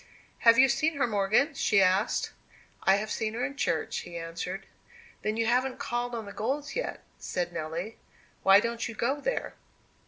"Have you seen her, Morgan?" she asked. "I have seen her in church," he answered. "Then you haven't called on the Golds yet," said Nelly. "Why don't you go there?"